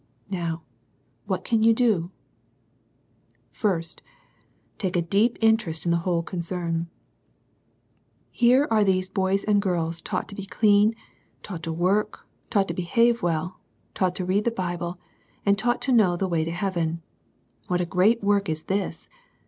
Now what can you do ? I St. Take a deep interest in the whole concern. Here are these boys and girls taught to be clean, taught to work, taught to behave well, taught to read the Bible, and taught to know the way to heaven. What a great work is this